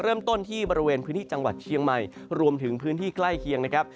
เริ่มต้นที่บริเวณพื้นที่จังหวัดเชียงใหม่รวมถึงพื้นที่ใกล้เคียงนะครับ